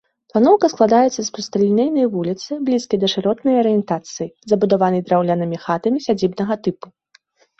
Планоўка складаецца з прасталінейнай вуліцы, блізкай да шыротнай арыентацыі, забудаванай драўлянымі хатамі сядзібнага тыпу.